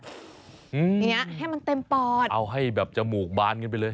อย่างนี้ให้มันเต็มปอดเอาให้แบบจมูกบานกันไปเลย